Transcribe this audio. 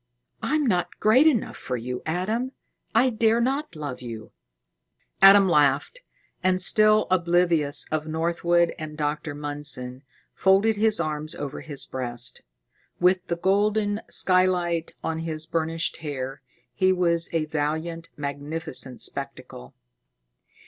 "I am not great enough for you, Adam. I dare not love you." Adam laughed, and still oblivious of Northwood and Dr. Mundson, folded his arms over his breast. With the golden skylight on his burnished hair, he was a valiant, magnificent spectacle.